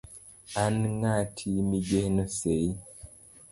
an ng'ati migeno sei